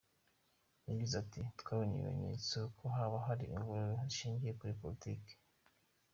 Yagize ati“ Twabonye ibimenyetso ko haba hari imvururu zishingiye kuri politiki.